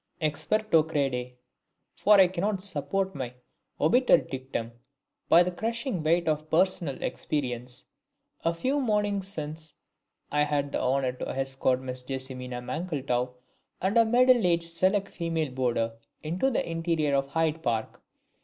Experto crede for I can support my obiter dictum by the crushing weight of personal experience. A few mornings since I had the honour to escort Miss JESSIMINA MANKLETOW and a middle aged select female boarder into the interior of Hyde Park.